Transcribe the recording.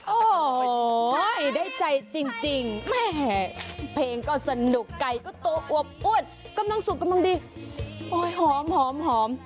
โอ้โหได้ใจจริงแม่เพลงก็สนุกไก่ก็ตัวอวบอ้วนกำลังสุกกำลังดีโอ้ยหอมหอม